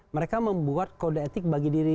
mereka membuat kode etik bagi diri